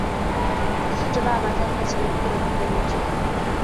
看着爸爸在面前哭的那么无助